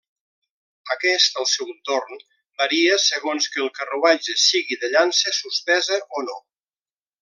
Aquest, al seu torn, varia, segons que el carruatge sigui de llança suspesa o no.